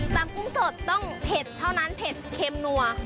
กุ้งสดต้องเผ็ดเท่านั้นเผ็ดเค็มนัว